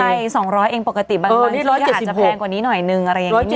ใช่๒๐๐เองปกติแบบบางทิศอาจจะแพงกว่านี้หน่อยนึง